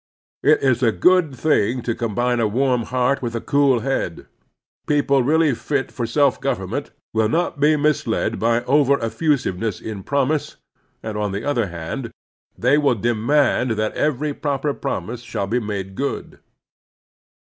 It is a good thing to combine a warm heart with a cool head. People really fit for self government will not be misled by over effusiveness in promise, and, on the other hand, they will demand that every proper promise shall be made good.